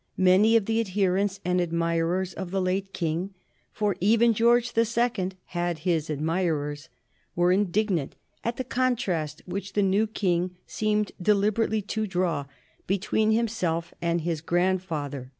Many of the adherents and admirers of the late King for even George the Second had his admirers were indignant at the contrast which the new King seemed deliberately to draw between himself and his grandfather.